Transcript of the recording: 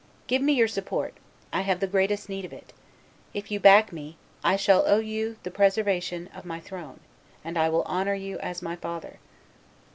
Give me your support; I have the greatest need of it. If you back me, I shall owe to you the preservation of my throne, and I will honor you as my father."